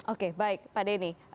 oke baik pak denny